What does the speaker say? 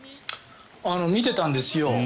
見てたんですよ。